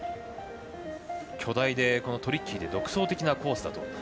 巨大で、トリッキーで独創的なコースだと。